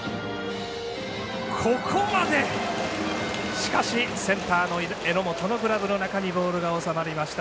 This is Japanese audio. しかし、センターの榎本のグラブの中にボールが収まりました。